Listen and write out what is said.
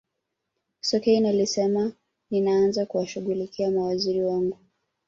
sokoine alisema ninaanza kuwashughulikia mawaziri wangu